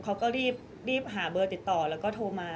เขาก็รีบหาเบอร์ติดต่อแล้วก็โทรมา